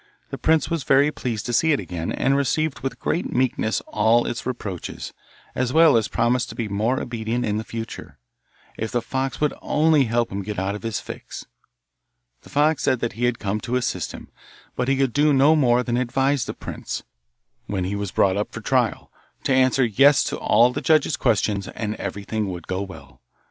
The prince was very pleased to see it again, and received with great meekness all its reproaches, as well as promised to be more obedient in the future, if the fox would only help him out of his fix. The fox said that he had come to assist him, but he could do no more than advise the prince, when he was brought up for trial, to answer 'yes' to all the judge's questions, and everything would go well.